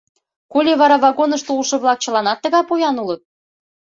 Коли вара вагонышто улшо-влак чыланат тыгай поян улыт?